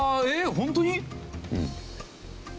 本当に！？